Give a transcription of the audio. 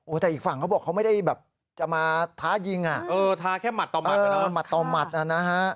แต่อีกฝั่งเขาบอกเขาไม่ได้แบบจะมาท้ายิงอ่ะเออท้าแค่หัดต่อหมัดต่อหมัดนะฮะ